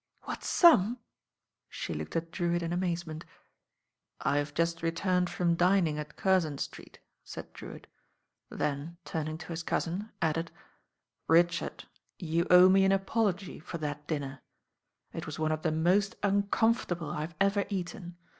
"What sum I" She looked at Drewitt in amaze ment. "I've just returned from dining at Curzon Street, said Drewitt; then turning to his cousin added, "Richard, you owe me an apology for that dinner. LORD DREWITT: AMBASSADOR KTt It WM one of the mott uncomfortable I have ever eaten.